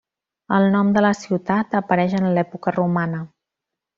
El nom de la ciutat apareix en l'època romana.